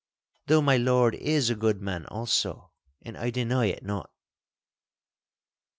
Though my lord is a good man also, and I deny it not.